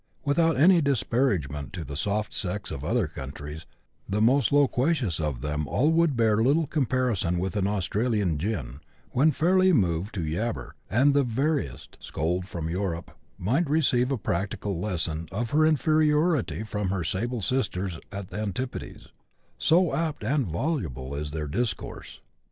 Without any disparagement to the soft sex of other countries, the most loquacious of them all would bear little comparison with an Australian "gin," when fairly moved to "yabbcr," and the veriest scold from Europe might receive a practical lesson of her inferiority from her sable sisters at the antipodes —" So apt and voluble is their discourse."